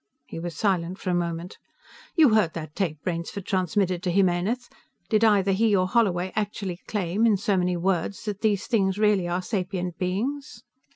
He was silent for a moment. "You heard that tape Rainsford transmitted to Jimenez. Did either he or Holloway actually claim, in so many words, that these things really are sapient beings?"